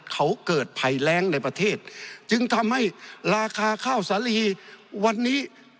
เขาเกิดภัยแรงในประเทศจึงทำให้ราคาข้าวสาลีวันนี้